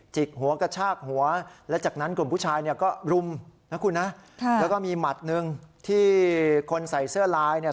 กหัวกระชากหัวและจากนั้นกลุ่มผู้ชายเนี่ยก็รุมนะคุณนะแล้วก็มีหมัดหนึ่งที่คนใส่เสื้อลายเนี่ย